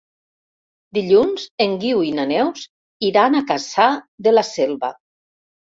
Dilluns en Guiu i na Neus iran a Cassà de la Selva.